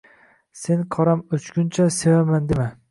Sen qoram o‘chguncha „ Sevaman!“ dema…